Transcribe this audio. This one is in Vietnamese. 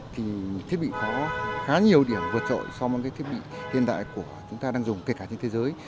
thì thiết bị có khá nhiều điểm vượt trội so với cái thiết bị hiện đại của chúng ta đang dùng kể cả trên thế giới